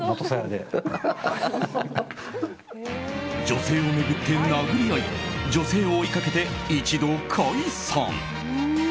女性を巡って殴り合い女性を追いかけて一度解散。